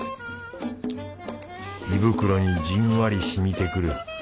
胃袋にじんわりしみてくる。